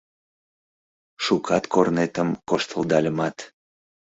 Шукат корнетым коштылдальымат